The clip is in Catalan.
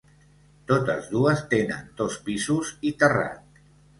Totes dues tenen dos pisos i terrat.